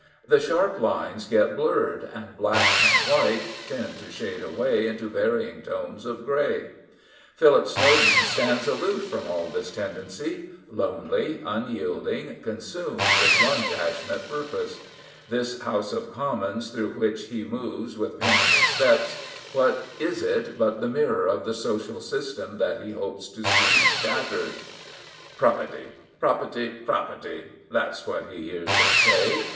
The sharp lines get blurred, and black and white tend to shade away into varying tones of grey. Philip Snowden stands aloof from all this tendency — lonely, unyielding, consumed with one passionate purpose. This House of Commons through which he moves with painful steps, what is it but the mirror of the social system that he hopes to see shattered? "Propputty, propputty, propputty "— that's what he hears it say.